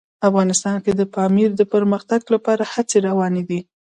افغانستان کې د پامیر د پرمختګ لپاره هڅې روانې دي.